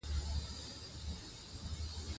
پسه د افغانستان په اوږده تاریخ کې ذکر شوي دي.